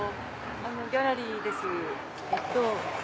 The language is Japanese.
ギャラリーです。